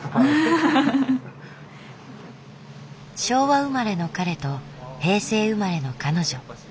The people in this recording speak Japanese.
昭和生まれの彼と平成生まれの彼女。